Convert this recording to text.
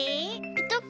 ペトッ。